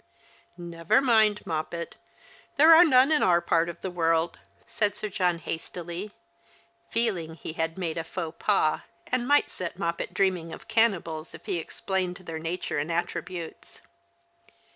" Never mind, Moppet ; there are none in our part of the world," said Sir John, hastily, feeling that he had made a faux pas, and might set Moppet dreaming of cannibals if he explained their nature and attributes.